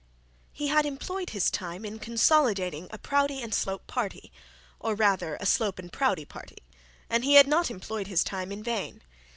He had employed his time in consolidating a Proudie and Slope party or rather a Slope and Proudie party, and he had not employed his time in vain.